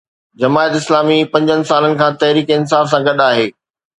جماعت اسلامي پنجن سالن کان تحريڪ انصاف سان گڏ آهي.